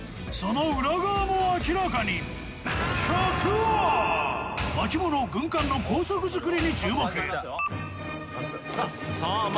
その裏側も明らかに巻物軍艦の高速作りに注目さあ